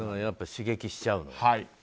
やっぱり刺激しちゃうから。